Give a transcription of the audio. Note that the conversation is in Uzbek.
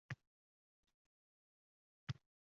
qaysi qarorlarga asosan qanday imtiyozlar taqdim etilgan?